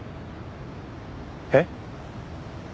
えっ？